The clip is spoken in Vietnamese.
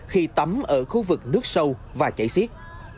khi tắm ở khu vực nước sâu và chảy xiết